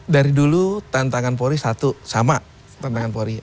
dari dulu tantangan polri satu sama tantangan polri